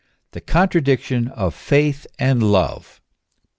THE CONTEADICTION OF FAITH AND LOVE.